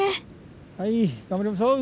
はい頑張りましょう。